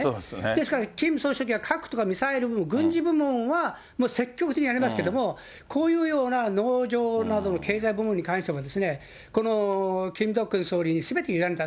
ですからキム総書記は、核とかミサイルの軍事部門はもう積極的にやりますけれども、こういうような農場などの経済部門に関しては、このキム・ドックン総理に全て委ねた。